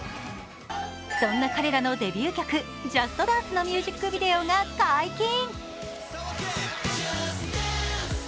そんな彼らのデビュー曲「ＪＵＳＴＤＡＮＣＥ！」のミュージックビデオが解禁。